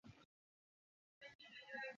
পাম্পে কাজের কাজ কিচ্ছু হবে না।